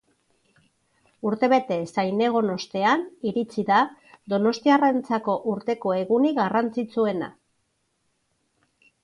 Urtebetez zain egon ostean, iritsi da donostiarrentzako urteko egunik garrantzitsuena.